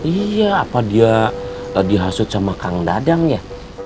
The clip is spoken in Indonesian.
iya apa dia dihasut sama kang dadang ya